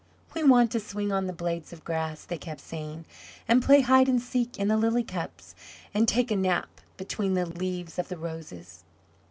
"We want to swing on the blades of grass," they kept saying, "and play hide and seek in the lily cups, and take a nap between the leaves of the roses."